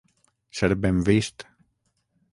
Ser ben vist.